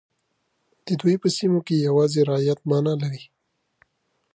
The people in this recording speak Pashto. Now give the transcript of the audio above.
د دوی په سیمو کې یوازې رعیت معنا لري.